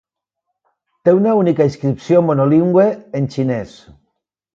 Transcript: Té una única inscripció, monolingüe, en xinès.